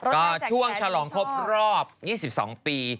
ก็ช่วงฉลองครบรอบ๒๒ปี